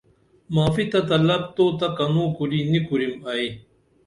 معافی تہ طلب تو تہ کنُوں کُری نی کُرِم ائی